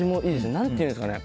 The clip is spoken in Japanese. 何ていうんですかね。